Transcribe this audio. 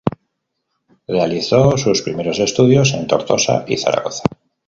Realizó sus primeros estudios en Tortosa y Zaragoza.